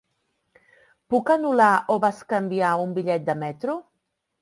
Puc anul·lar o bescanviar un bitllet de metro?